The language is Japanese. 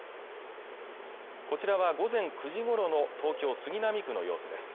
こちらは午前９時ごろの東京杉並区の様子です